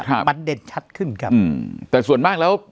ครับมันเด่นชัดขึ้นครับอืมแต่ส่วนมากแล้ว